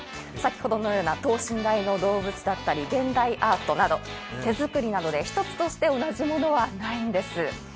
先ほどのような等身大の動物だったり、現代アート、手作りなので、一つとして同じものはないんです。